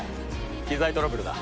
機材トラブルだ。